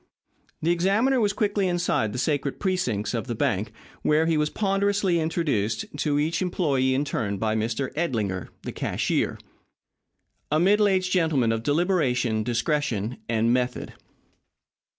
The examiner was quickly inside the sacred precincts of the bank, where he was ponderously introduced to each employee in turn by Mr. Edlinger, the cashier a middle aged gentleman of deliberation, discretion, and method.